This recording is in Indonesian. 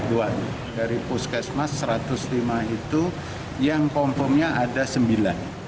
dari puskesmas satu ratus lima itu yang kompomnya ada sembilan